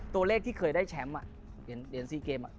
ตัวเลขที่เคยได้แชมป์เหรียญ๔เกม